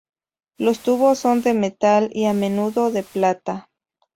Los tubos son de metal, y a menudo de plata.